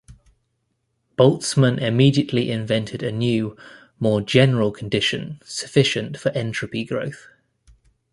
Boltzmann immediately invented a new, more general condition sufficient for entropy growth.